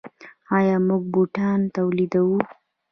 آیا موږ بوټان تولیدوو؟